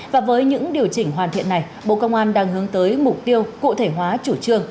và với những điều chỉnh hoàn thiện này bộ công an đang hướng tới mục tiêu cụ thể hóa chủ trương